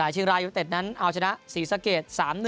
เชียงรายยูนิเต็ดนั้นเอาชนะศรีสะเกด๓๑